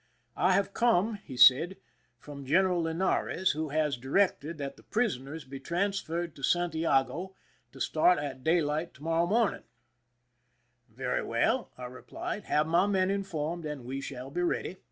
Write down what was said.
"I have come," he said, '^from General Linares, who has directed that the prisoners be transferred to Santiago, to start at daylight to morrow." " Very well," I replied ;" have my men informed, and we shall be ready."